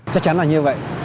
chắc chắn là như vậy